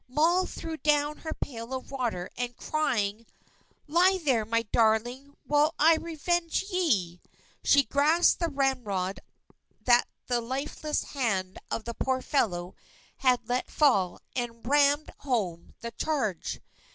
Moll threw down her pail of water; and crying, "Lie there, my darling, while I revenge ye!" she grasped the ramrod that the lifeless hand of the poor fellow had let fall, and rammed home the charge.